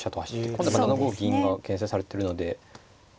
今度はやっぱ７五銀がけん制されてるので。